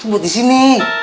perubat di sini